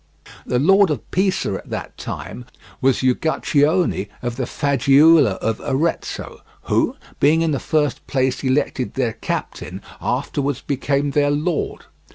The Lord of Pisa at that time was Uguccione of the Faggiuola of Arezzo, who being in the first place elected their captain afterwards became their lord.